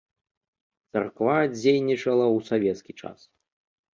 Царква дзейнічала ў савецкі час.